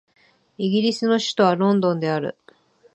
イギリスの首都はロンドンである